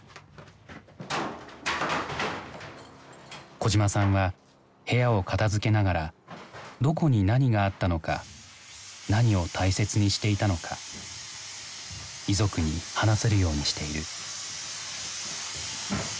小島さんは部屋を片づけながらどこに何があったのか何を大切にしていたのか遺族に話せるようにしている。